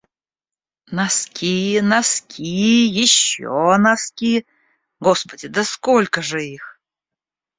Носки, носки, ещё носки. Господи, да сколько же их?!